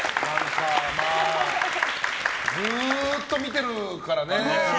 ずっと見てるからね。